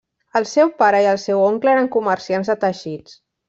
El seu pare i el seu oncle eren comerciants de teixits.